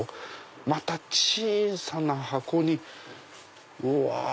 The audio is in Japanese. また小さな箱にうわ！